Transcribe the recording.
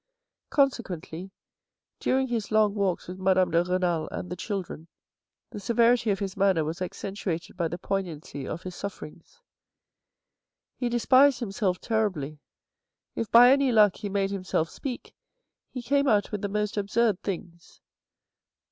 Consequently, during his long walks with Madame de Renal and the children, the severity of his manner was accentuated by the poignancy of his sufferings. He despised himself terribly. If, by any luck, he made him self speak, he came out with the most absurd things.